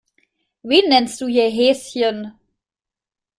Wen nennst du hier Häschen?